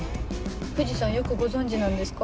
藤さんよくご存じなんですか？